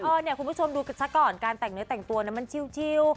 เออเนี่ยคุณผู้ชมดูสักก่อนการแต่งเนื้อแต่งตัวมันชิว